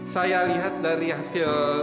saya lihat dari hasil